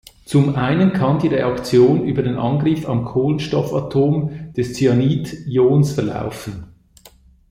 Zum einen kann die Reaktion über den Angriff am Kohlenstoffatom des Cyanid-Ions verlaufen.